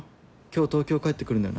今日東京帰ってくるんだよな？